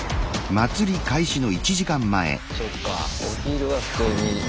そっかお昼は普通にやって。